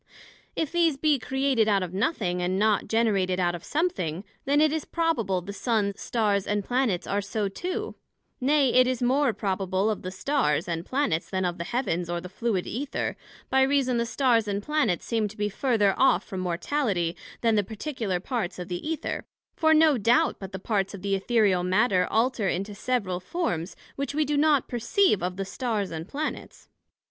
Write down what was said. If these be created out of nothing, and not generated out of something, then it is probable the Sun, Stars and Planets are so too; nay, it is more probable of the Stars, and Planets, then of the Heavens, or the fluid Æther, by reason the Stars and Planets seem to be further off from Mortality, then the particular parts of the Æther; for no doubt but the parts of the Æthereal Matter, alter into several forms, which we do not perceive of the Stars and Planets.